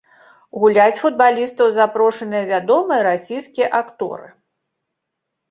Гуляць футбалістаў запрошаныя вядомыя расійскія акторы.